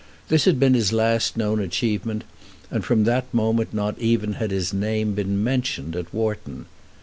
This had been his last known achievement, and from that moment not even had his name been mentioned at Wharton.